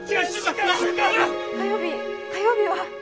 火曜日火曜日は。